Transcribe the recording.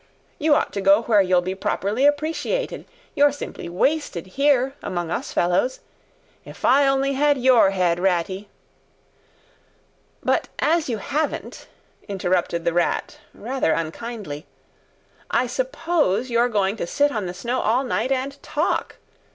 You ought to go where you'll be properly appreciated. You're simply wasted here, among us fellows. If I only had your head, Ratty——" "But as you haven't," interrupted the Rat, rather unkindly, "I suppose you're going to sit on the snow all night and _talk?